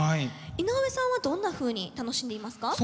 井上さんはどんなふうに楽しんでいますか？